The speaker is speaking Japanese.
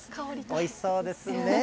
おいしそうですね。